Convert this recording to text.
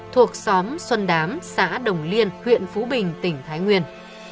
thuộc xóm xuân đám xã đồng liên huyện phú bình tỉnh thái nguyên